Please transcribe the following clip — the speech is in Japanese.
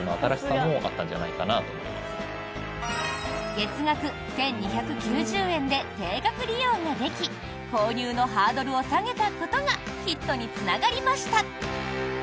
月額１２９０円で定額利用ができ購入のハードルを下げたことがヒットにつながりました。